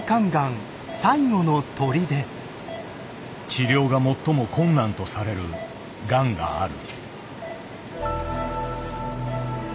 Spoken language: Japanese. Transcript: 治療が最も困難とされるがんがある。